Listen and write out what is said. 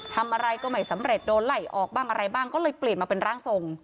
ทำอะไรก็ไม่สำเร็จโดนไหล่ออกบ้างอะไรบ้างก็เลยเปลี่ยนมาเป็นร่างทรง